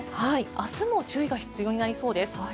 明日も注意が必要になりそうです。